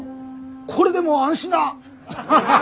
これでもう安心だ！